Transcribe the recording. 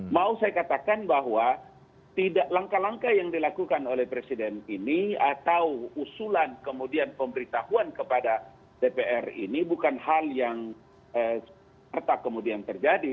mau saya katakan bahwa langkah langkah yang dilakukan oleh presiden ini atau usulan kemudian pemberitahuan kepada dpr ini bukan hal yang harta kemudian terjadi